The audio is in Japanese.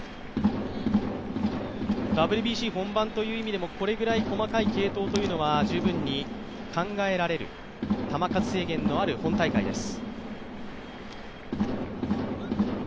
ＷＢＣ本番という意味でもこれぐらい細かい継投というのは十分に考えられる球数制限のある本大会です。